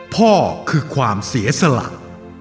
พ่อคือความเสียสละ